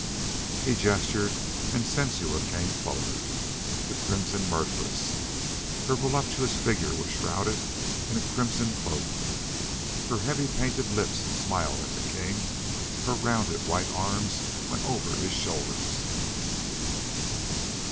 He gestured and Sensua came forward. The crimson murderess! Her voluptuous figure was shrouded in a crimson cloak. Her heavy painted lips smiled at the King. Her rounded white arms went over his shoulders.